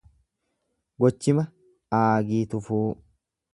Gochima aagii tufuu